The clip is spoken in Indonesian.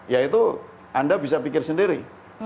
ya itu anda bisa pikir sendiri